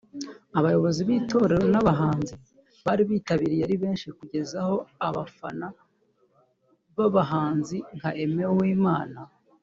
Abayobozi b’itorero n’abahanzi bari bitabiriye ari benshi kugeza n’aho abafana b’abahanzi nka Aimé Uwimana